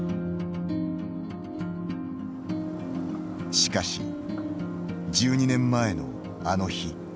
しかし、１２年前のあの日。